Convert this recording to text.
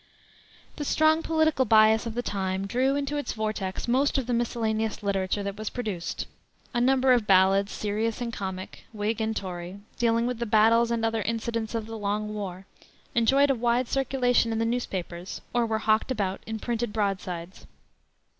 The strong political bias of the time drew into its vortex most of the miscellaneous literature that was produced. A number of ballads, serious and comic, Whig and Tory, dealing with the battles and other incidents of the long war, enjoyed a wide circulation in the newspapers, or were hawked about in printed broadsides.